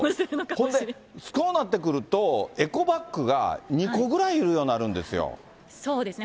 これでこうなってくると、エコバッグが２個ぐらいいるようにそうですね。